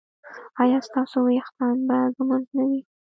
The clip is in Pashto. ایا ستاسو ویښتان به ږمنځ نه وي؟